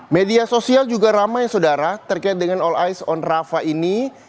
media sosial juga ramai saudara terkait dengan all ice on rafa ini